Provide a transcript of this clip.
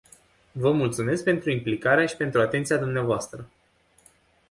Vă mulțumesc pentru implicarea și pentru atenția dvs.